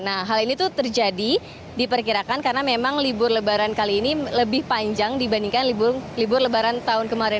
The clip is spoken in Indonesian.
nah hal ini tuh terjadi diperkirakan karena memang libur lebaran kali ini lebih panjang dibandingkan libur lebaran tahun kemarin